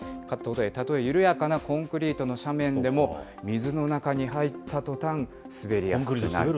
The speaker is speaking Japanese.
たとえ緩やかなコンクリートの斜面でも、水の中に入った途端、滑りやすくなる。